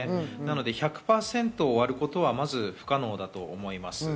１００％終わることはまず不可能だと思います。